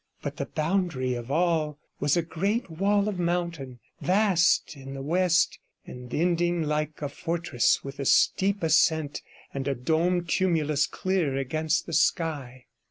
But the boundary of all was a great wall of mountain, vast in the west, and ending like a fortress with a steep ascent and a domed tumulus clear against the sky.